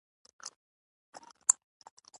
زما پلار له جومات څخه راځي